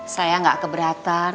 saya gak keberatan